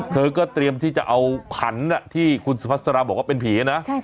เธอก็เตรียมที่จะเอาขันที่คุณสุพัสราบอกว่าเป็นผีนะ